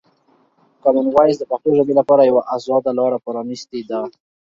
کامن وایس د پښتو ژبې لپاره یوه ازاده لاره پرانیستې ده.